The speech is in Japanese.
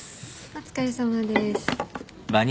お疲れさまです。